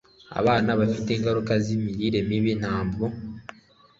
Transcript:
abana bafite ingaruka z'imirire mibi ntabwo